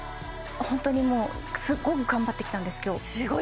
ホントにもうすっごく頑張ってきたんです今日すごい！